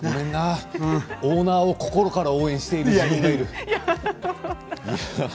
オーナーを心から応援している自分がいる。